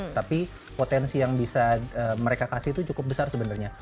tapi potensi yang bisa mereka kasih itu cukup besar sebenarnya